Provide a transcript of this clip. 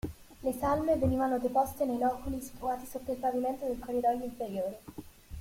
Le salme venivano deposte nei loculi situati sotto il pavimento del corridoi inferiore.